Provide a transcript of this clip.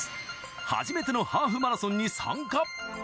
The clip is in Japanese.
初めてのハーフマラソンに参加。